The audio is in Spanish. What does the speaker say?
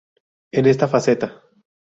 En esta faceta.